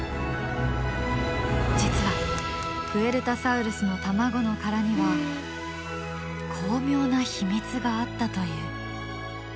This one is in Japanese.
実はプエルタサウルスの卵の殻には巧妙な秘密があったという。